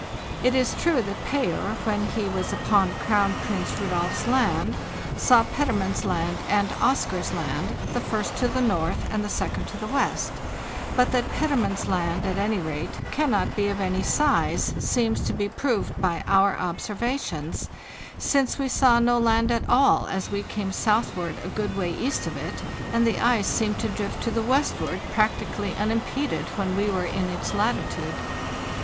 It is true that Payer, when he was upon Crown Prince Rudolf's Land, saw Petermann's Land and Oscar's Land, the first to the north and the second to the west; but that Petermann's Land, at any rate, cannot be of any size seems to be proved by our observations, since we saw no land at all as we came southward a good way east of it, and the ice seemed to drift to the westward practically unimpeded when we were in its latitude.